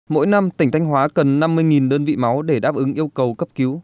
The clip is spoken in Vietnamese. mỗi năm tỉnh thanh hóa cần năm mươi đơn vị máu để đáp ứng yêu cầu cấp cứu